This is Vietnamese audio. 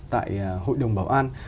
tại hội đồng bảo an